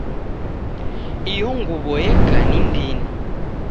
Iyo nguw'o yeka ni ndini